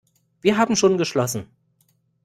Wir haben schon geschlossen.